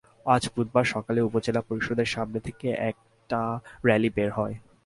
আজ বুধবার সকালে উপজেলা পরিষদের সামনে থেকে একটি র্যালি বের হয়।